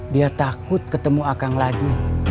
dia takut ketemu akang lagi